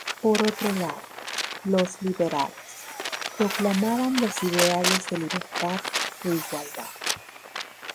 Por otro lado, los liberales, proclamaban los ideales de libertad e igualdad.